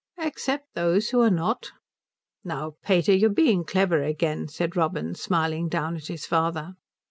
"Except those who are not." "Now, pater, you're being clever again," said Robin, smiling down at his father.